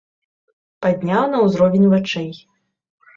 Падняў на ўзровень вачэй.